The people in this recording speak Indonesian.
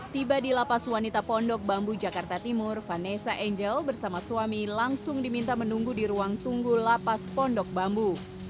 tiba di lapas wanita pondok bambu jakarta timur vanessa angel bersama suami langsung diminta menunggu di ruang tunggu lapas pondok bambu